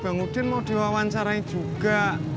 bang udin mau diwawancarai juga